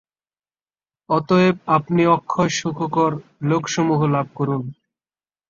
অতএব আপনি অক্ষয় সুখকর লোকসমূহ লাভ করুন।